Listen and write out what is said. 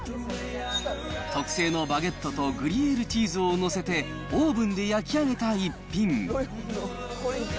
特製のバゲットとグリエールチーズを載せて、オーブンで焼き上げた逸品。